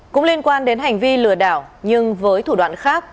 cũng liên quan đến hành vi lừa đảo nhưng với thủ đoạn khác